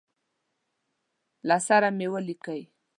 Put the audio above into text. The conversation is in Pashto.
له سره مي ولیکی.